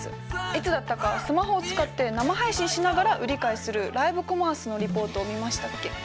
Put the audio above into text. いつだったかスマホを使って生配信しながら売り買いするライブコマースのリポートを見ましたっけ？